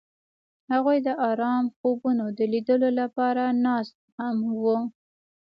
هغوی د آرام خوبونو د لیدلو لپاره ناست هم وو.